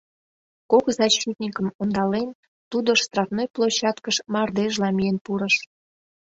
Кок защитникым ондален, тудо штрафной площадкыш мардежла миен пурыш.